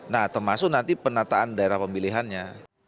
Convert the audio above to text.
nah termasuk nanti penataan daerah pemilihannya